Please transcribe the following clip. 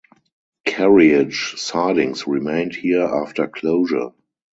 Carriage sidings remained here after closure.